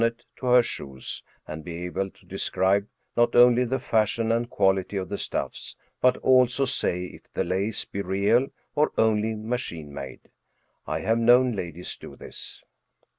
Robert'Houdin to her shoes, and be able to describe not only the fashion and quality of the stuflEs, but also say if the lace be real or only machine made. I have known ladies do this.